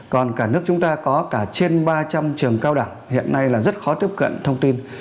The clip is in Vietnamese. còn cả nước chúng ta có cả trên ba trăm linh trường cao đẳng hiện nay là rất khó tiếp cận thông tin